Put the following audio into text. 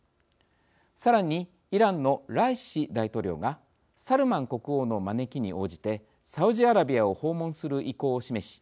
さらに、イランのライシ大統領がサルマン国王の招きに応じてサウジアラビアを訪問する意向を示し